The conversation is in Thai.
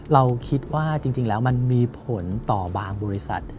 เราคิดว่าจริงแล้วมันมีผลต่อบางบริษัท